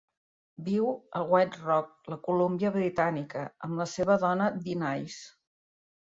Viu a White Rock, la Columbia Britànica, amb la seva dona Denise.